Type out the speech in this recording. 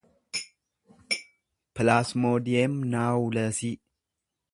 pilaasmoodiyem naawuleesii